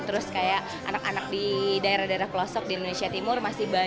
terus kayak anak anak di daerah daerah pelosok di indonesia timur masih banyak